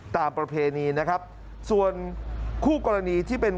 ประเพณีนะครับส่วนคู่กรณีที่เป็น